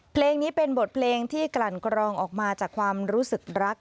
เพลงนี้เป็นบทเพลงที่กลั่นกรองออกมาจากความรู้สึกรัก